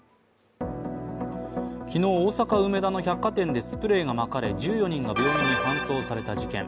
昨日、大阪・梅田の百貨店でスプレーがまかれ１４人が病院に搬送された事件。